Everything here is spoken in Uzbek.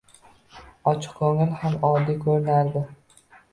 Ochiqko’ngil ham oddiy ko’rinardi.